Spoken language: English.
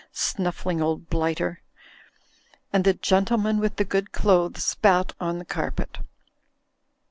Snuffling old blighter!" And the gentleman with the good clothes spat on the carpet.